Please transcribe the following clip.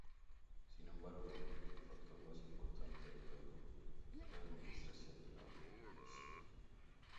Sin embargo, el factor más importante del juego es la administración de la munición.